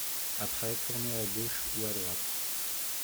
Après tournez à gauche ou à droite !